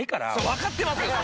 わかってますよ